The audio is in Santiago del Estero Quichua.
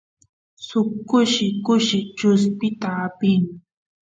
suk kushi kushi chuspita apin